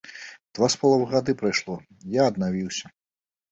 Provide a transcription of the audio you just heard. Два з паловай гады прайшло, я аднавіўся.